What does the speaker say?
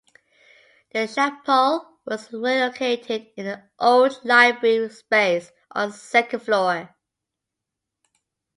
The chapel was relocated in the old library space on second floor.